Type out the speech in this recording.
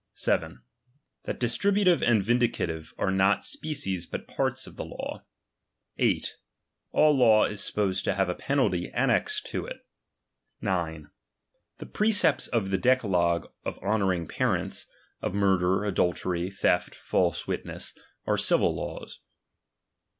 7 That distributive and vindicative are not species, but parts of the laws. 8. All law IB supposed to have a penalty annexed to it. 9. The precepis of the decalogue of honouring parents, of murder, adultery, theft, false witness, are civil laws.